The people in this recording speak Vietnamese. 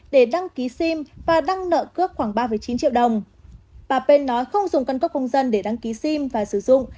để đăng ký sim và đăng nợ cước khoảng ba chín triệu đồng bà p nói không dùng căn cấp công dân để đăng ký sim và sử dụng